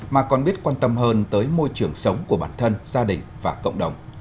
mà còn biết quan tâm hơn tới môi trường sống của bản thân gia đình và cộng đồng